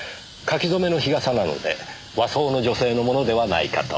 柿染めの日傘なので和装の女性のものではないかと。